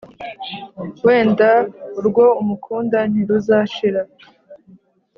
Wenda urwo umukunda ntiruzashira